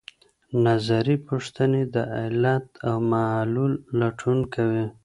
نظري پوښتنې د علت او معلول لټون کوي.